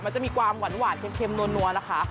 มันจะมีความหวานหวานเค็มนัวนะคะ